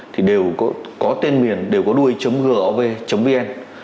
thì đều có tên miền đều có đuôi gov vn